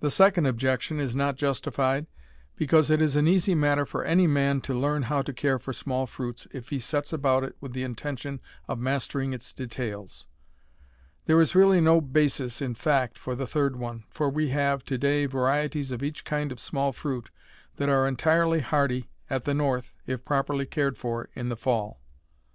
The second objection is not justified, because it is an easy matter for any man to learn how to care for small fruits if he sets about it with the intention of mastering its details. There is really no basis in fact for the third one, for we have, to day, varieties of each kind of small fruit that are entirely hardy at the North if properly cared for in the fall.